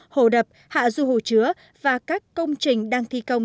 hồ đập hạ du hồ chứa và các công trình đang thi công